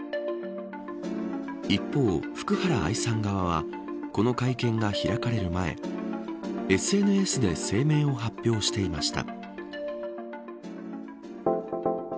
一方、福原愛さん側はこの会見が開かれる前ＳＮＳで声明を発表していました。